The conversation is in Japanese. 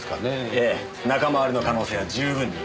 ええ仲間割れの可能性は十分に。